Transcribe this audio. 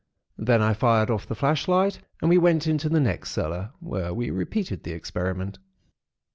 Then I fired off the flashlight, and we went into the next cellar, where we repeated the experiment.